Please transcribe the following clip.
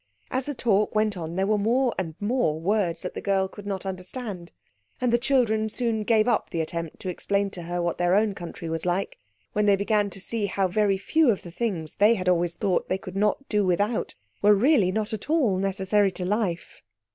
As the talk went on there were more and more words that the girl could not understand, and the children soon gave up the attempt to explain to her what their own country was like, when they began to see how very few of the things they had always thought they could not do without were really not at all necessary to life.